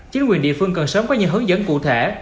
chính quyền địa phương cần sớm có những hướng dẫn cụ thể